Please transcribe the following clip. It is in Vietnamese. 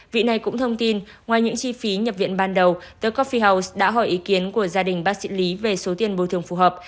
vị này cũng thông tin ngoài những chi phí nhập viện ban đầu the cophi house đã hỏi ý kiến của gia đình bác sĩ lý về số tiền bồi thường phù hợp